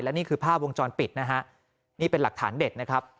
นี่คือภาพวงจรปิดนะฮะนี่เป็นหลักฐานเด็ดนะครับ